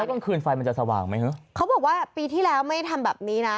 กลางคืนไฟมันจะสว่างไหมฮะเขาบอกว่าปีที่แล้วไม่ทำแบบนี้นะ